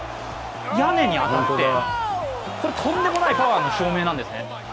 屋根に当たって、これ、とんでもないパワーの証明なんですね。